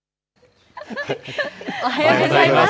おはようございます。